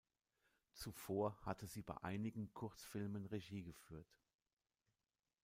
Zuvor hatte sie bei einigen Kurzfilmen Regie geführt.